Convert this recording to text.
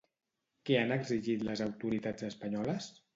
Què han exigit les autoritats espanyoles?